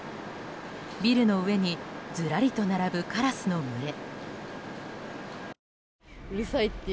ビルの上にずらりと並ぶカラスの群れ。